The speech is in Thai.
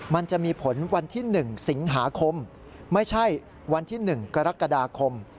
มันจะมีผลวันที่๑สิงหาคมไม่ใช่วันที่๑กรกฎาคม